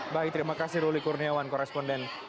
baik terima kasih ruli kurniawan koresponden